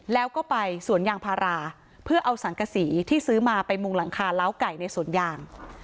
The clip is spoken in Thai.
แล้วก็ไปสวนยางพาราเพื่อเอาสังกษีที่ซื้อมาไปมุงหลังคาล้าวไก่ในสวนยาง